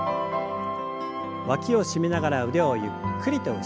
わきを締めながら腕をゆっくりと後ろに。